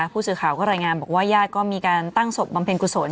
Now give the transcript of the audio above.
ผู้สื่อข่าวก็รายงานบอกว่าญาติก็มีการตั้งศพบำเพ็ญกุศล